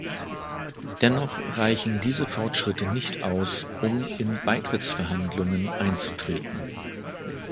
Dennoch reichen diese Fortschritte nicht aus, um in Beitrittsverhandlungen einzutreten.